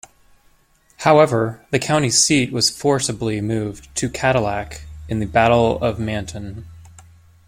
However, the county seat was forcibly moved to Cadillac in the Battle of Manton.